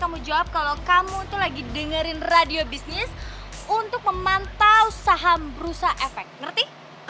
kamu jawab kalau kamu tuh lagi dengerin radio bisnis untuk memantau saham berusaha efek ngerti